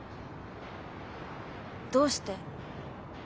どうして？